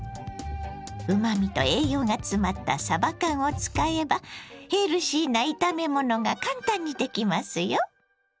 うまみと栄養が詰まったさば缶を使えばヘルシーな炒め物が簡単にできますよ！